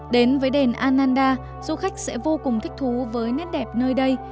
đến với đền anda du khách sẽ vô cùng thích thú với nét đẹp nơi đây